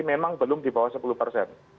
memang belum di bawah sepuluh persen